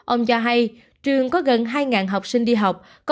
ông cho hay trường có gần hai học sinh đi học